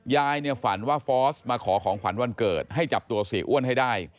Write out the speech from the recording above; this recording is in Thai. ยายเนี่ยฝันว่าฟอสมาขอของขวัญวันเกิดให้จับตัวเสียอ้วนให้ได้